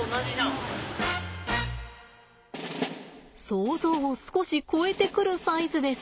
想像を少し超えてくるサイズです。